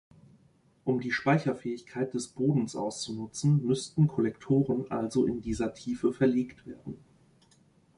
Um die Speicherfähigkeit des Bodens auszunutzen, müssten Kollektoren also in dieser Tiefe verlegt werden.